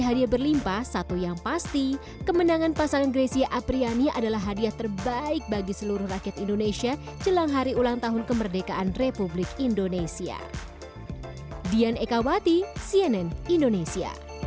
kreator konten arief muhammad tidak tanggung tanggung ia menjanjikan akan memberikan dua outlet usaha bakso aci akang miliknya pada pasangan gresia apriyani